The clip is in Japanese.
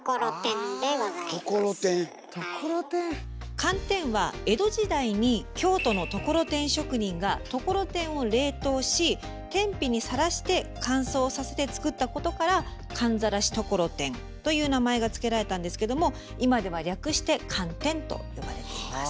寒天は江戸時代に京都の心太職人が心太を冷凍し天日に晒して乾燥させて作ったことから「寒晒心太」という名前が付けられたんですけども今では略して「寒天」と呼ばれています。